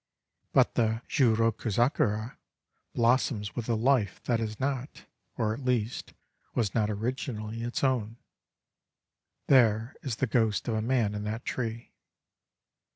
But the Jiu roku zakura blossoms with a life that is not — or, at least, was not originally — its own. There is the ghost of a man in that tree.